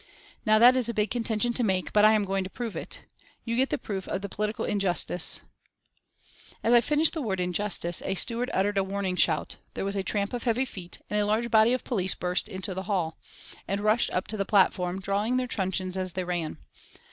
Now that is a big contention to make, but I am going to prove it. You get the proof of the political injustice " As I finished the word "injustice," a steward uttered a warning shout, there was a tramp of heavy feet, and a large body of police burst into the hall, and rushed up to the platform, drawing their truncheons as they ran.